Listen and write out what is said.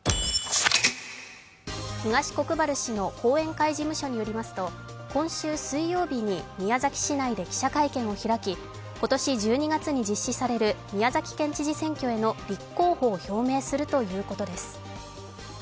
東国原氏の後援会事務所によりますと今週水曜日に宮崎市内で記者会見を開き、今年１２月に実施される宮崎県知事選挙への立候補を表明するということです。